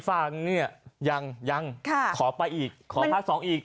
ฟ้างเนี่ยยังขอไปอีกขอพักสองอีก